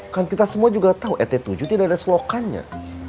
kan kita semua juga tahu rt tujuh tidak ada selokannya